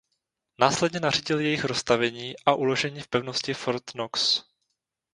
Následně nařídil jejich roztavení a uložení v pevnosti Fort Knox.